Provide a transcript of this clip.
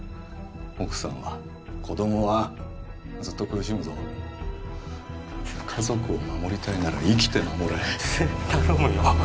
奥さんは子供はずっと苦しむぞ家族を守りたいなら生きて守れ頼むよ